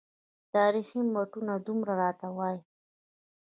تاریخي متون دومره راته وایي.